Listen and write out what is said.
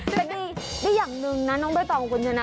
แต่ดีดีอย่างหนึ่งนะน้องเบ้ยตอมคุณชนะ